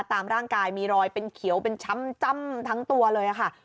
ตามร่างกายมีรอยเป็นเขียวเป็นช้ำจ้ำทั้งตัวเลยค่ะ